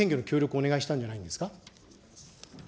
お願いしたんじゃないですか。